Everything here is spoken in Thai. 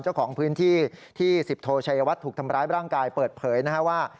เจ้าของพื้นที่ที่สิบโทชัยวัดถูกทำร้ายร่างกายเปิดเผยนะฮะว่า